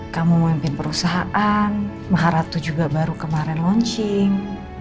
kamu memimpin perusahaan maharatu juga baru kemarin launching